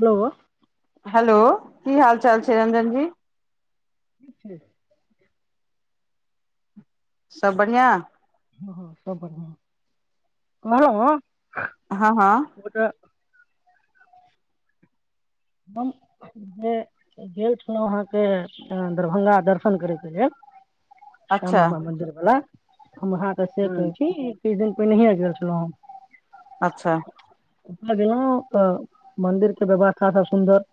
बोलो। हेलो। की हाल-चाल छै रंजन जी। ठीक छै। सब बढ़ियाँ। हाँ सब बढ़ियाँ कहलौं हां-हां। हम जे गेल छलौ अहाँ के दरभंगा दर्शन करय के लेल अच्छा श्यामा म मन्दिर बला। हम अहाँ के से हूँ कहै छी। किछ दिन पेहनेहिये गेल छलौ। अच्छा। ओता गेलौ त मंदिर के व्यवस था सब सुन्दर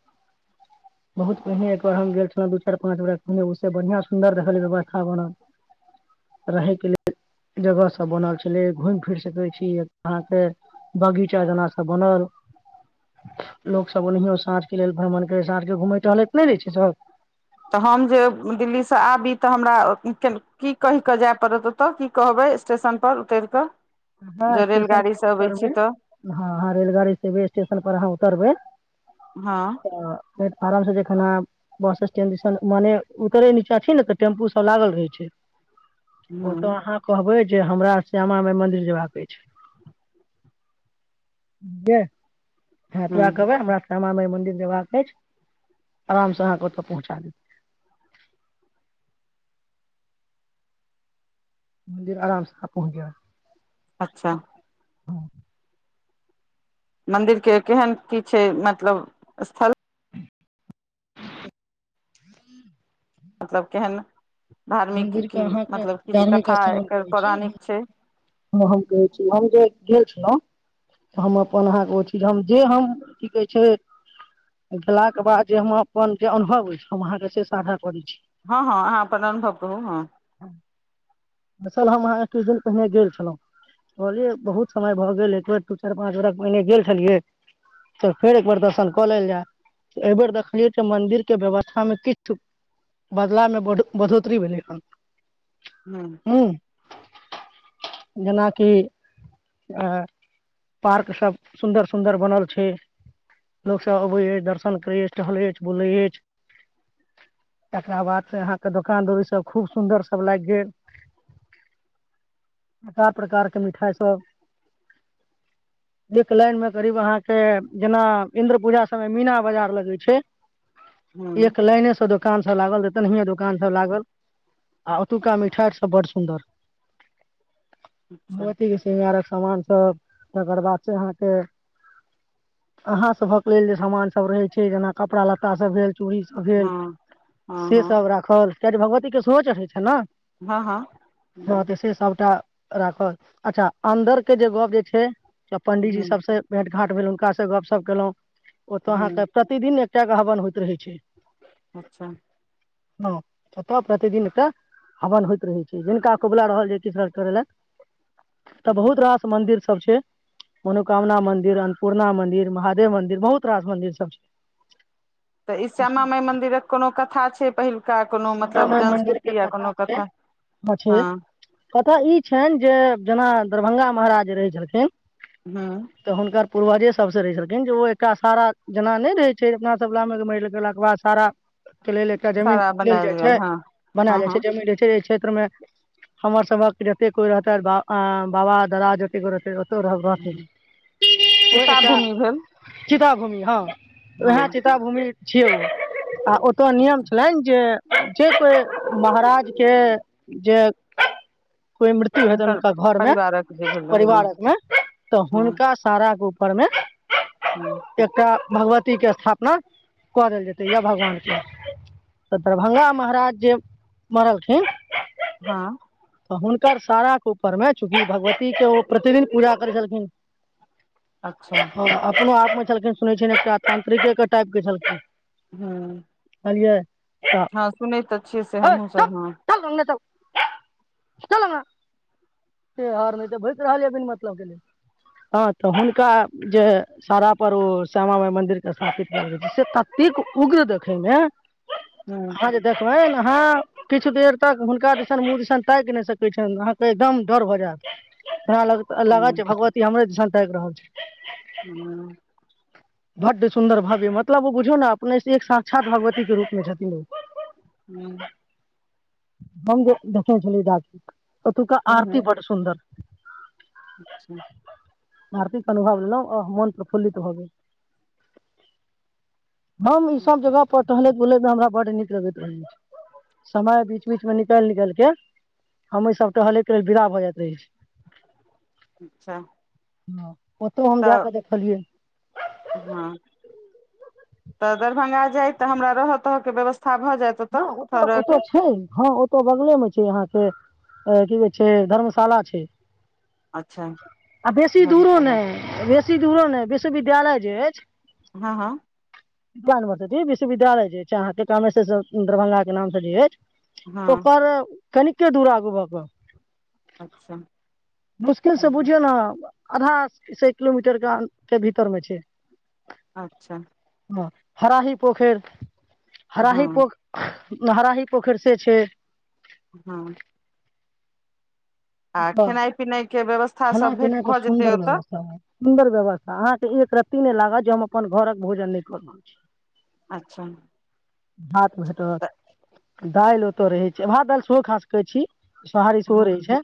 बहुत पहिने एकबार हम गेल छलौ दू, चार, पाँच बेरा घूमे उ सब बढ़िया सुन्दर देखलिये रहे व्यवस्था बनल, रहे के लेल जगह सब बनल छलै, घुम-फिर सकै छी, अ अहाँ के बगीचा जना सब बनल, लोक सब ओनेहयो साँझ के लेल भ्रमण करै, साँझ के घुमै टहलैत नै रहै छै सब। तऽ हम जे दिल्ली से आबी तऽ हमरा के की कैह के जाय पड़त ओता, की कहबै स्टेशन पर उतैर के। अहाँ स्टेशन पर उतरबै, हाँ अहाँ रेलगाड़ी से जे स्टेशन पर अहाँ उतरबै हँ तऽ फेर अराम से जखन अहाँ बस स्टेंड दिसन, मने उतरे नीचा छी ने ते टेम्पू सब लागल रहै छै। हूँ ओता अहाँ कहबै जे हमरा श्यामा माय मंदिर जा के छै [unintelligible] हाँ हूँ पूरा कहबै हमरा श्यामा माय मंदिर जेबाक एछ, अराम से अहाँ के ओता पहुंचा देत। मन्दिर अराम से अहाँ पहुंच जाएब। अच्छा मन्दिर के केहैन की छै मतलब स्थल। मतलब केहैन मन्दिर के अहाँ के धार्मिक कथा स्थल हम एकर कहै छी पौराणिक हम, छै हम कहै छी हम जे गेल छलौ। हम अपन अहाँ के ओ चीज हम जे हम की कहै छै गेला के बाद जे हम अपन जे अनुभव होय, हम अहाँ के से साझा करै छी। हाँ-हाँ अहाँ अपन अनुभव कहु हाँ। दरसल हम अहाँके कुछ दिन पहिने गेल छलौ, कहलियै बहुत समय भऽ गेल एक बेर दू, चार, पाँच बरख पहिने गेल छलियै तऽ फेर एक बेर दर्शन कऽ लेल जाय, ए बेेर देखलियै जे मन्दिर के व्यवस्था मे किछ बदलाव मे ब बढ़ो तरी भेलै हन। ह्म्म। जेना कि अ पार्क सब सुन्दर-सुन्दर बनल छै, लोक सब अबै अय, दर्शन करे अय, टहले एछ, बुले एछ, तकरा बाद से अहाँ के दो दुकान दौरी सब खूब सुन्दर सब लागि गेल केए प्रकार प्रकार के मिठाई सब एक लाइन मे करीब अहाँ के जेना इन्द्र पूजा सबमे मीना बाजार लगै छै। हूँ एक लाइने स दोकान लागल तनहै दोकान सब लागल आ ओतुका मिठाय सब बड़ सुन्दर अच्छा भगवती के श्रृंगारक समान सब तकर बाद से अहाँके अहाँ सभक लेल जे सामान सब रहै छै जेना कपड़ा लत्ता सब भेल। चूरी सब भेल हँ हँ से हँ सब राखल। उच्चैठ भगवती के सेहो चढ़ैत छै ने? हँ हँ हँ तऽ से सबटा राखऽ अच्छा अन्दर के जे गप जे छै‌। ज पंडितजी ह सबसँ भेंट घाट भेल हुनका से गप केलहुँ। ओ तऽ ह अहाँके प्रतिदिन एकटा के हवन होइत रहै छै। अच्छा हँ छतय प्रतिदिन एकटा हवन होइत रहै छै जिनका कुबुला रहल जा किछ करै ले तऽ बहुत रास मंन्दिर सब छै मनोकामना मन्दिर, अन्नपूर्णा मन्दिर, महादेव मन्दिर बहुत रास मन्दिर सब छै। तऽ ई श्यामा माई मंन्दिरक कोनो कथा छै पहिल श्यामा माई मन्दिर के कथा छै। हँ छै। कथा ई छनि जे जेना दरभंगा महाराज रहे छलखिन। हँ तऽ हुनकर पूर्वजे सभसँ रहै छलखिन जे ओ एकटा सारा जेना नहि रहै छै अपना सब बलामे मरि गेलाके बाद सारा के लेल एकटा जमीन सारा लेल बनायल जाइ गेल छै हँ बनाल हँ जाय छै जमीन रहै छै। जे एय क्षेत्र मे हमर सभक जते कोइ रहतै बाबा दादा जते कोइ रहतै रहब रखै हँ छी ओ सीता एकटा भूमि भेल चिप चीता भूमि हँ हँ वएह चीता भूमि छियौ आ ओतो नियम छलनि। जे कोइ महाराजके जे कोइ मृत्यु हेतनि हुनकर हुनका घर मे परिवारक जे भेलनि हँ परिवार मे तऽ हँ हुनका सारा परमे ह एकटा भगवती के स्थापना कऽ देल जेतै या भगवान के। तऽ दरभंगा महाराज जे मरलखिन हँ तऽ हुनकर साराके ऊपरमे चूँकि भगवतीके ओ प्रतिदिन पूजा करै छलखिन। अच्छा ह अपनो आप में छलखिन सुनय छियै एकटा तांत्रिके टाइप के छलखिन। हँ कहलियै हँ सुने त छियै से हमूँ सब हँ। चल अंगने चल चल अँगना हेहर नहि तऽ भूइक रहल या बिन मतलब के ह तऽ हुनका जे सारा पर ओ श्यामा माइ मन्दिर के स्थापित कएल गेल से ततेक उग्र देखेमे ह आहाँ जे देखबाइन आहाँ किछु देर तक हुनका दिसन मुँह दिसन ताकि नहि सकैत छियैन अहाँके एकदम डर भऽ जायत। जेना लगत लगै ह छै भगवती हमर दिसन ताइक रहल छै। हँ बड्ड सुन्दर भव्य मतलब ओ बुझियौ ने अपनेसँ एक साक्षात भगवती के रूपमे छथिन ओ। हू [inaudible] हम देख देखने छलियै दादी के ओतूका ह ह आरती बड़ सुन्दर! आरतीक अनुभव लेलहुँ आह मन प्रफुल्लित भ गेल। हम ई सभ जगह पर टहलैत-बुलैत हमरा। बड़ नीक लगैत रहैत छै, समय बीच। बीच मे निकइल-निकइल के हम एहि सब टहले के लेल विदा भऽ जायत रहै छी। अच्छा। [unintelligible] न, [unintelligible] ओतहु हम जा तऽ कऽ देखलियै। हँ [unintelligible] तऽ दरभंगा जाय तऽ हमरा रहऽ तके व्यवस्थ हँ ओतऽ-ओतऽ छै हँ ओ। त ऽबगले मे छै अहाँके की कहै छै धर्मशाला छै। अच्छा आ बेसी दूरो धर्मशाला नै बेसी बेसी दूर नइ विश्वविद्यालय जे अछि। हँ हँ विज्ञान यूनिवर्सिटी विश्वविद्यालय जे छै अहाँके कामेश्वर। दरभंगा के नाम से जे एछ। हँ ओकर कनिके दूर आगू भऽ के। अच्छा मुश्किल से हँ बुझियौ ना। अधा से एक किलोमीटर के अन के भीतर मे छै। अच्छा! हँ हराही पोखैर। हराही हँ पोख हराही पोखैर से छै। हाँ। आ ओतऽ खेनाय-पिनाय के व्यवस्था खाना सब भे पीना के भऽ जेतै सुन्दर ओता। व्यवस्था हय सुन्दर व्यवस्था अहाँ के एक रत्ती नै लागत जे हम अपन घरक भोजन नै क रहल छी। अच्छा। हाँ। तऽ भेटत। दाल ओता रहै छै, भात-दाल सेहो खा सकै छी। सोहारी सेहो रहै हँ छै।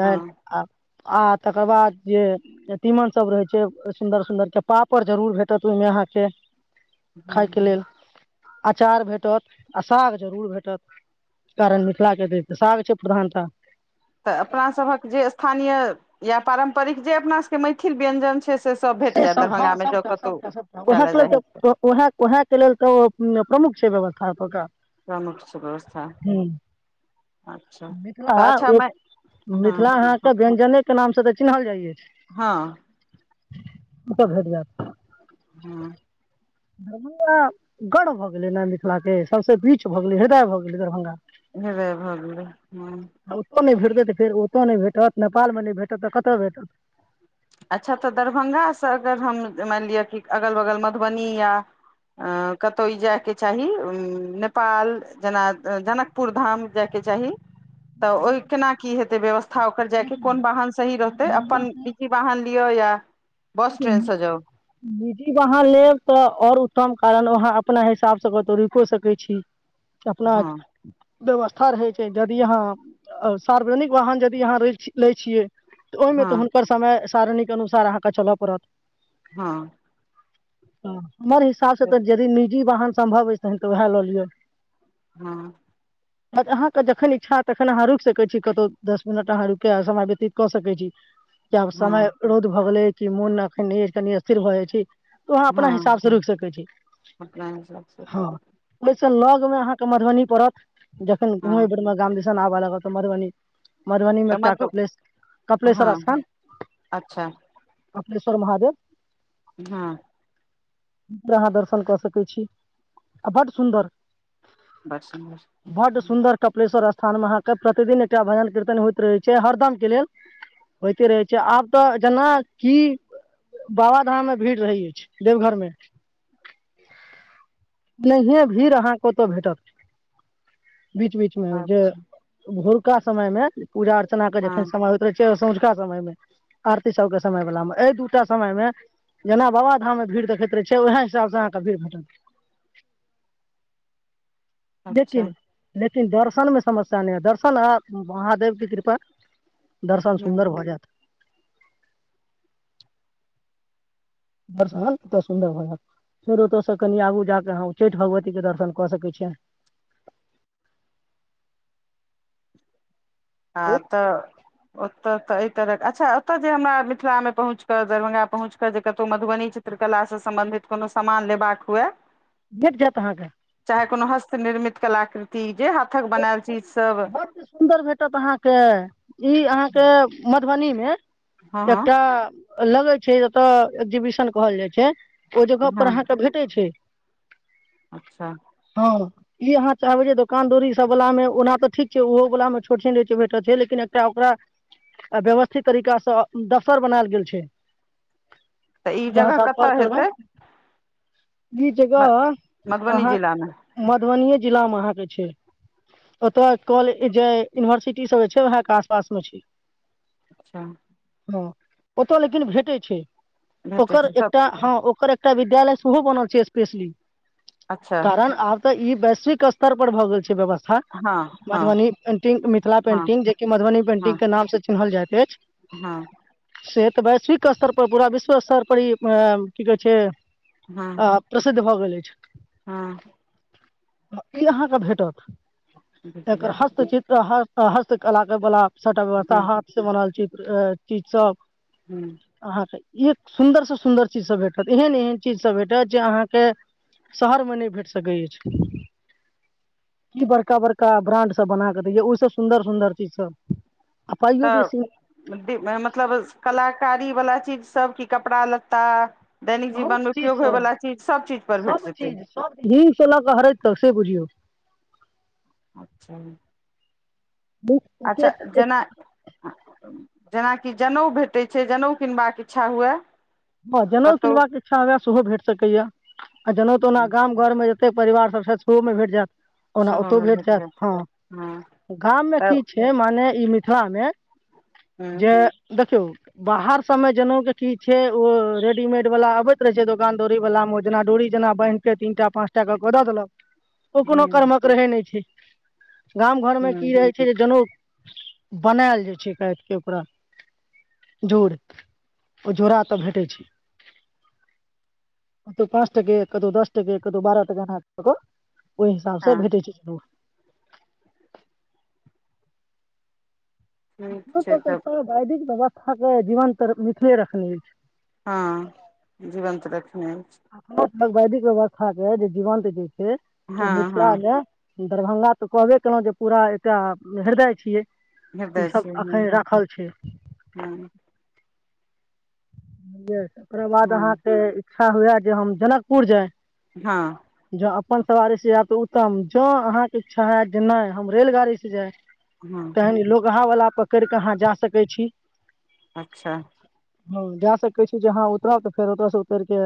दाल हँ आ आ तकर बाद जे तीमन सब रहै छै, सुन्दर-सुन्दर के पापड़ जरूर भेटत उ मे अहाँ के। खाय हँ के लेल। अचार भेटत आ साग जरूर भेटत, कारण मिथला के ते साग छै प्रधानता। तऽ अपना सभक जे स्थान या। या पारम्परिक जे अपना सब के मैथिल व्यंजन छै। से सब भेट से जायत सब हाँ दरभंगामे जँ कतहु सबटा-सबटा-सबटा खाय उहाए लए के लेल जाही तऽ ते ओ उहाए, उहाए के लेल ते ओ प्रमुख छै व्यवस्था ओतौका। प्रमुख छै व्यवस्था। अच्छा मिथला तऽ अच्छा ओ मै हँ मिथला अहाँ के व्यंजने के नाम से ते चिन्हल जाय एछ। हाँ। ओता भेट जाएत। हाँ। दरभंगा गढ़ भऽ गेलै ने मिथला के, सबसे बीच भऽ गेलै, हृदय भऽ गेलै दरभंगा। हृदय भ गेले हाँ। नै तऽ फेर ओता नै भेटत, नेपाल मे नै भेटत तऽ कता भेटत। अच्छा तऽ दरभंगा से अगर हम मैन लियो कि अगल-बगल मधुबनी या अ कतौ ई जाय के चाही उम्म नेपाल जना जनकपुर धाम जाय के चाही। तऽ ओय केना की हेतै व्यवस्था ओकर जाय के कोन बाहन सही रहतै अपन बाहन लियौ या बस ट्रेनसँ जाउ निजी वाहन लेब तऽ और उत्तम कारण वहाँ हाँ अपना हिसाबसे कतहु रुकियो सकै छी। अपना हँ व्यवस्था रहै छै, जदि यहाँ अ सार्वजनिक वाहन जदि यहाँ रे लै छियै। त ओहिमे त हँ हुनकर समय सारिणी के अनुसार अहां अच्छा चल पड़त। हां। हुं। हमर हिसाब से त यदि निजी वाहन सम्भव अइ तखन त वैह ल लिअ। हां। अहाँके जखन इच्छा हयत तखन अहाँ रुकि सकैत छी कतहु दस मिनट अहाँ रुकिके समय व्यतीत क सकैत छी। कि आब समय, हँ रौद भ गेलै। कि मोन नै अछि कनि स्थिर भ जाइ छी। त वहाँ अपना हँ हिसाब से रुकि सकै छी, अपना हिसाबसँ हां। से लग मे अहाँके मधुबनी पड़त। जखन हँ घर आ गाम दिसन आब लागल। ओ त मधबनी। मधुबनी मे तऽ एकटा मधु कपिलेश हँ कपिलेश्वर स्थान। अच्छा कपलेश्वर महादेव। हां। अहाँ दर्शन क सकै छी आ बड सुन्दर बड़ सुन्दर बड सुन्दर कपिलेश्वर स्था थानमे अहाँके प्रतिदिन एकटा भजन कीर्तन होइत रहै छै हरदमके लेल होइते रहै छै आब त जेना की, बाबाधाम मे भीड़ रहै अछि देवघर मे ओहने भीड़ अहाँके ओत भेटत। बीच बीच मे जे अच्छा भोर का समय मे पूजा अर्चना के जखन हँ समय होइत रहै छै आ संझु का समयमे, आरती सबके समय वला मे, एहि दूटा समय मे जेना बाबाधाममे भीड़ देखैत रहै छियै ओएह हिसाब से अहाँके भीड़ भेटत। अच्छा लेकिन नै के लेकिन दर्शन में समस्या नहि हैत, दर्शन आ महादेव के कृपा दर्शन हँ सुन्दर भ जायत। दर्शन ओत सुन्दर भ जायत फेर ओतयसँ कनि आगू जा क अहाँ उच्चैठ भगवती के दर्शन क सकै छियैन। हँ तऽ अ तब तऽ एहि तरहक अच्छा ओतय जे हमरा मिथिलामे पहुँचि कऽ दरभंगा पहुँच कऽ जे कतहु मधुबनी चित्रकलासँ सम्बन्धित कोनो सामान लेबाक हुए भेट जायत अहाँके चाहे कोनो हस्त निर्मित कलाकृति जे हाथक बनाल चीज। सब बड सुन्दर भेटत अहाँ के, ई अहाँके मधुबनी मे हँ हँ एकटा लगै छैय एतऽ एग्जीबिशन कहल जाइ छैय। ओ जगह हँ पर अहाँके भेटै छैय। अच्छा हँ। ई अहाँ चाहबे जे दोकान दौरी सब वला मे ओना तऽ ठीक छै ओहो वला मे छोट छ रह छै भेटल छै लेकिन एकटा ओकरा व्यवस्थित तरीकासँ दफसर बनायल गेल छैय। तऽ ई जगह कतय हेतै। ई जगह मधुबनी जिलामे अहाँक मधुबनीेये जिला मे अहाँके छै ओतब कॉलेज जे यूनिवर्सिटी सब जे छै वहे के आसपास मे छी। अच्छा हँ ओतऽ लेकिन भेटै छैय। भेटै ओकर छै सभ एकटा हँ ओकर एक एकटा विद्यालय सेहो बनाल छैय स्पेशली। अच्छा कारण आब तऽ ई वैश्विक स्तर पर भऽ गेल छैय व्यवस्था। हँ। हँ मधुबनी पेन्टिंग, मिथिला हँ पेन्टिंग जेकि मधुबनी हँ पेन्टिंगके नामसँ चिन्हल जाइत हँ अछि। से तऽ वैश्विक स्तर पर पूरा विश्व स्तर पर की कहै छैय। आ प्रसिद्ध भऽ गेलै। [unintelligible] हूँ। तऽ ई अहाँके भेटत। भेट एकर जायत हस्तचित्र हस्त आ हस्तकला के बला सबटा व्यवस्था हँ हाथ से बनल छैय। अ चीज सब हँ अहाँ के एक सुन्दर से सुंन्दर चीज सब भेटत एहन एहन चीज सब भेटत जे अहाँ के शहर मे नहि भेट सकै अछि। कि बड़का बड़का ब्रांड सब बना क दैये, ओहि सं सुन्दर सुन्दर चीज सब आ पाइयो त बेसी मतलब कलाकारीवला चीज सब की, कपड़ा लत्ता दैनिक बहुत जीवन मे चीज उपयोग होय छ वाला चीज सब चीज पर भेट सब जेतै चीज सब हिंगसँ लऽ कऽ हरेद तक से बुझियौ। अच्छाई अच्छा जेना जेनाकि जनेउ भेटैत छै जनेउ किनबाक इच्छा हुए हां जनेउ कतहु किनबाक इच्छा हुए सेहो भेट सकैए आ जनेउ त ओना गाम घरमे त परिवार सब सजपुरवो मे भेट जायत। ओना ओतौ भेट जायत हां, हँ गाम मे तऽ की छै माने इ मिथि किया ने? जे, हूँ देखियौ बाहर सभमे जनेऊ के की छै ओ रेडीमेड वला अबैत रहै छै दोकान में, डोरी वला मे ओ जेना डोरी जेना बान्हिके तीन टा पाँच टा क क द देलक। ओ कोनो हूँ कर्मक रहै नै छै। गाम घर मे की हूँ रहै छै जे जनेउ बनायल जाइ छै फेर के उपरा जोर ओ जोरा ओत भेटै छै। कतौ पाँच टके कतौ दस टके कतौ बारह टके, एना क क। ओहि हिसाबसँ हँ भेटैत छै जोरा। ठीक द छै तब ब [unintelligible] अहांके जीवंत मिथिले रखने अछि। हां, जीवत रखने हुं। ऋवैदिक व्यव्स्था के जे जीवंत छै हे त हँ मिथिला हँ मे दरभंगा त कहबे केलहुं जे पूरा एकटा हृदय छियै। इ हृदय सब छै हँ अखैन राखल छै। हँ [unintelligible] ओकरा बाद हँ अहाँके इच्छा हुए जे हम जनकपुर जाए हां। अपन सवारी से जायब त उत्तम जं अहाँके इच्छा हैत जे नहि हम रेलगाड़ी से जाय। हँ तखन लोक वैहे वला पकड़ के अहाँ जा सकै छी। अच्छा हंई। जा सकै छी जे अहाँ उतरब त फेर ओतय से उतर के